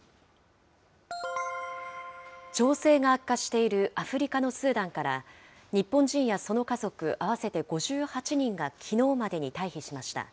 情勢が悪化しているアフリカのスーダンから、日本人やその家族合わせて５８人がきのうまでに退避しました。